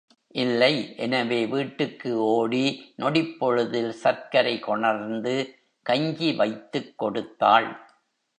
இல்லை எனவே, வீட்டுக்கு ஓடி, நொடிப்பொழுதில் சர்க்கரை கொணர்ந்து, கஞ்சி வைத்துக் கொடுத்தாள்.